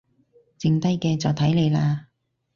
剩低嘅就睇你喇